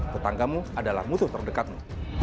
tetanggamu adalah musuh terdekatmu